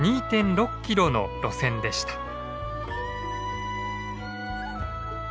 ２．６キロの路線でした。